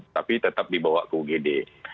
tapi tetap dibawa ke ugd